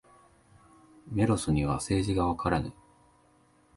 メロスには政治がわからぬ。